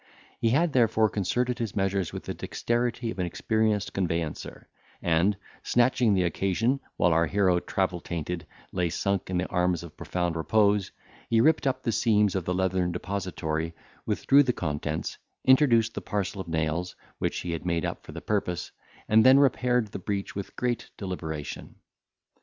He had therefore concerted his measures with the dexterity of an experienced conveyancer, and, snatching the occasion, while our hero, travel tainted, lay sunk in the arms of profound repose, he ripped up the seams of the leather depository, withdrew the contents, introduced the parcel of nails, which he had made up for the purpose, and then repaired the breach with great deliberation.